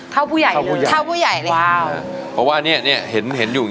เท่าผู้ใหญ่เลยเท่าผู้ใหญ่เลยเพราะว่าเนี่ยเห็นอยู่